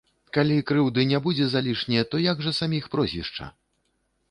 Калі крыўды не будзе залішне, то як жа саміх прозвішча?